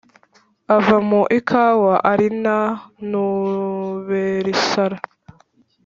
ava mu ikawa alinanumbersra